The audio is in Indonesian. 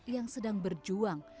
yang sedang berjuang